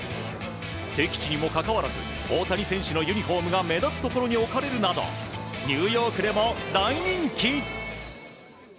敵地にもかかわらず大谷選手のユニホームが目立つところに置かれるなどニューヨークでも大人気！